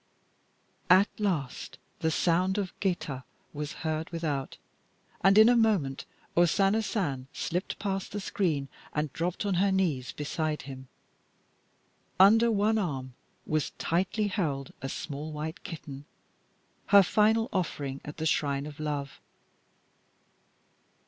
At last the sound of geta was heard without, and in a moment O Sana San slipped past the screen and dropped on her knees beside him. Under one arm was tightly held a small white kitten, her final offering at the shrine of love.